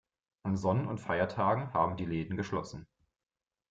An Sonn- und Feiertagen haben die Läden geschlossen.